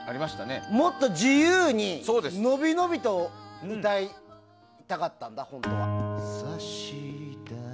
もっと自由にのびのびと歌いたかったんだ、本当は。